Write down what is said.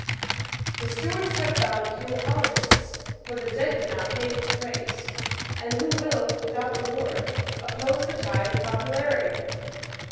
The Stuarts have found few apologists, for the dead cannot pay for praise; and who will, without reward, oppose the tide of popularity?